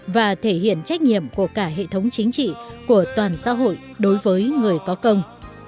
và thể hiện trách nhiệm của cả hệ thống chính trị của toàn xã hội đối với người có công